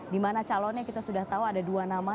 dimana calonnya kita sudah tahu ada dua nama